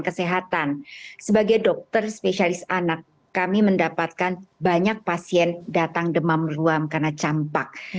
kesehatan sebagai dokter spesialis anak kami mendapatkan banyak pasien datang demam ruam karena campak